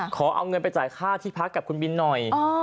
ขอเอาเงินไปจ่ายค่าที่พักกับคุณบินหน่อย